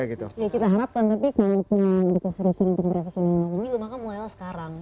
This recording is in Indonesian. ya kita harapkan tapi karena pengalaman depan serius untuk merepas undang undang ini maka mulailah sekarang